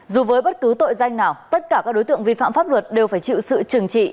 dù với bất cứ tội danh nào tất cả các đối tượng vi phạm pháp luật đều phải chịu sự trừng trị